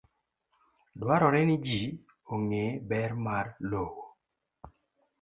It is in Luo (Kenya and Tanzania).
Dwarore ni ji ong'e ber mar lowo.